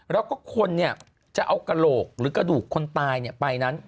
แล้วก็คนจะเอากระโหลกหรือกระดูกคนตายไปนั้น